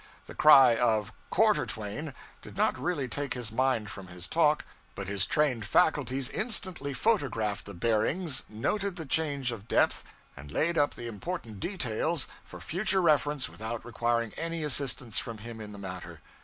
The cry of 'quarter twain' did not really take his mind from his talk, but his trained faculties instantly photographed the bearings, noted the change of depth, and laid up the important details for future reference without requiring any assistance from him in the matter.